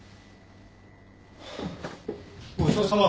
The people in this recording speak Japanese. ごちそうさま。